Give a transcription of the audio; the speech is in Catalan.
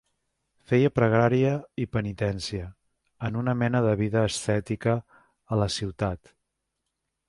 Feia pregària i penitència, en una mena de vida ascètica a la ciutat.